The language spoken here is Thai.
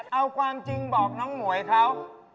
เอาความจริงบอกน้องหมวยเขา